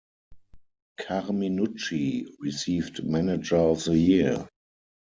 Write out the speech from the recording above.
Carminucci received manager of the year.